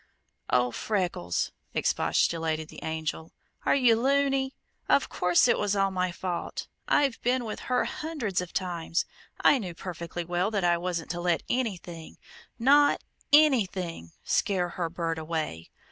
"Oh Freckles!" expostulated the Angel. "Are you loony? Of course, it was all my fault! I've been with her hundreds of times. I knew perfectly well that I wasn't to let anything NOT ANYTHING scare her bird away!